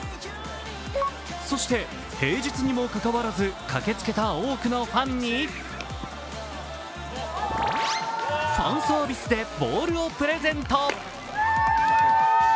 そして平日にもかかわらず駆けつけた多くのファンにファンサービスでボールをプレゼント。